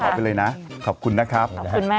ขอบคุณเลยนะขอบคุณนะครับ